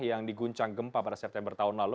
yang diguncang gempa pada september tahun lalu